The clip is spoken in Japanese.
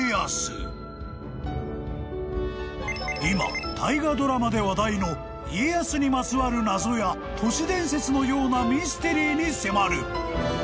［今大河ドラマで話題の家康にまつわる謎や都市伝説のようなミステリーに迫る］